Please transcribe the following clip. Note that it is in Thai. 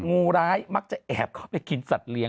งูร้ายมักจะแอบเข้าไปกินสัตว์เลี้ย